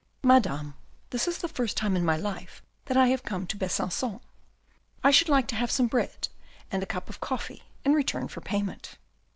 " Madame, this is the first time in my life that I have come to Besancon. I should like to have some bread and a cup of coffee in return for payment."